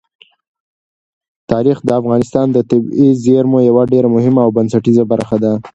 تاریخ د افغانستان د طبیعي زیرمو یوه ډېره مهمه او بنسټیزه برخه ده.